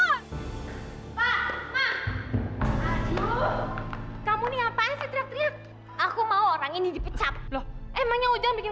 pak mak aju kamu nih ngapain sih teriak teriak aku mau orang ini dipecap loh emangnya udah bikin